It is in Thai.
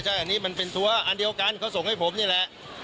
ใช่อันนี้มันเป็นตัวอันเดียวกันเขาส่งให้ผมนี่แหละ